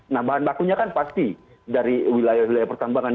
nambahan bakunya kan pasti dari wilayah wilayah pertambangan